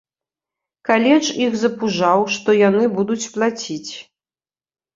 Каледж іх запужаў, што яны будуць плаціць.